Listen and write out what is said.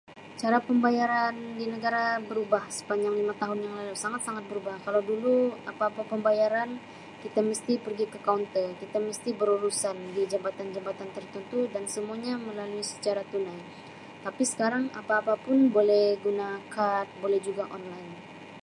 Cara pembayaran di negara berubah sepanjang lima tahun yang lalu sangat-sangat berubah kalau dulu apa-apa pembayaran kita mesti pergi ke kaunter kita mesti berurusan di jabatan-jabatan tertentu dan semuanya melalui secara tunai tapi sekarang apa-apa pun boleh guna kad, boleh juga online.